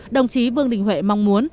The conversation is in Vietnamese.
đồng chí vương đình huệ mong muốn